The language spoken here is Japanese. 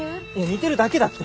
似てるだけだって。